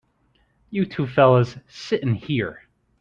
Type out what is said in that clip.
You two fellas sit in here.